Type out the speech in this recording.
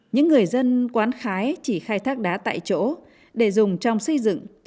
những người dân quán khái chỉ khai thác đá tại chỗ để dùng trong xây dựng